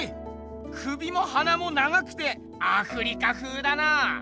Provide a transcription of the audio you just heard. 首も鼻も長くてアフリカふうだな。